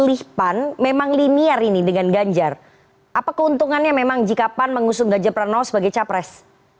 memilih pan memang limiar ini dengan ganjar apa keuntungannya memang jika pan mengusung ganjar pranowo sebagai capres